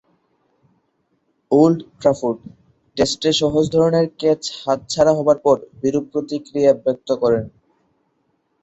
Old Trafford টেস্টে সহজ ধরনের ক্যাচ হাতছাড়া হবার পর বিরূপ প্রতিক্রিয়া ব্যক্ত করেন।